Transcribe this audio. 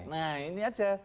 nah ini saja